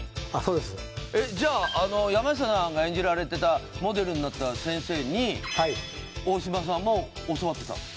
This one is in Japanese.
あっそうですえっじゃあ山下さんが演じられてたモデルになった先生に大島さんも教わってた？